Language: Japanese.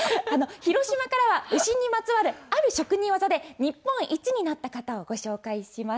広島から牛にまつわるある職人技で日本一になった方をご紹介します。